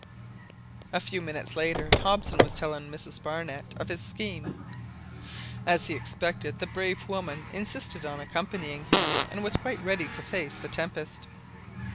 A few minutes later Hobson was telling Mrs Barnett of his scheme. As he expected the brave woman insisted on accompanying him, and was quite ready to face the tempest.